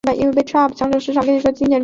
所属的线路颜色为橙色。